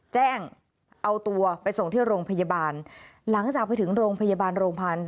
แจ้งเอาตัวไปส่งที่โรงพยาบาลหลังจากไปถึงโรงพยาบาลโรงพันธ